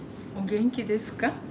お元気ですか？